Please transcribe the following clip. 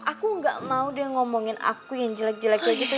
aku gak mau deh ngomongin aku yang jelek jelek tuh gitu